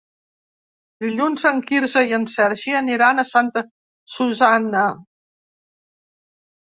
Dilluns en Quirze i en Sergi aniran a Santa Susanna.